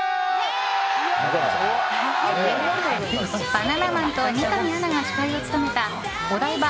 バナナマンと三上アナが司会を務めた「オダイバ！！